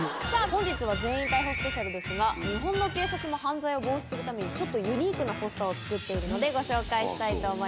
本日は全員逮捕スペシャルですが日本の警察も犯罪を防止するためにユニークなポスターを作っているのでご紹介したいと思います。